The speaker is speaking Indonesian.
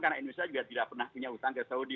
karena indonesia juga tidak pernah punya utang ke saudi